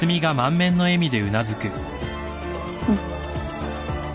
うん。